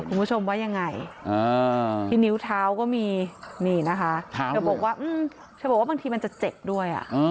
คุณผู้ชมว่ายังไงที่นิ้วเท้าก็มีนี่นะคะเธอบอกว่าเธอบอกว่าบางทีมันจะเจ็บด้วย